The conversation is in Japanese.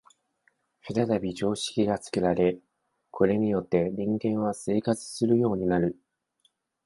再び常識が作られ、これによって人間は生活するようになる。